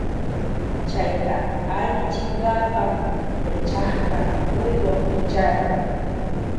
Chayta allichinkapa yachakka cuywan picharka.